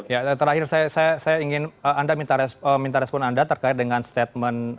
ya terakhir saya ingin anda minta respon anda terkait dengan statement